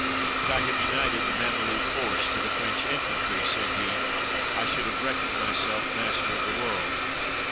"Could I have united the Mameluke horse to the French infantry," said he, "I should have reckoned myself master of the world."